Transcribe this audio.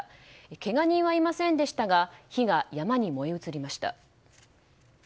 けが人はいませんでしたが火が山に燃え移りました。